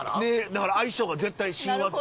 だから相性が絶対いい親和性。